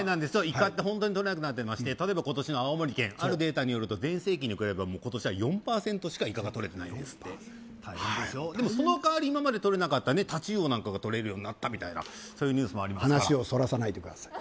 イカってホントにとれなくなってまして例えば今年の青森県あるデータによると全盛期に比べれば今年は４％しかイカがとれてないんですって大変でしょでもその代わり今までとれなかった太刀魚なんかがとれるようになったみたいなそういうニュースもありますが話をそらさないでください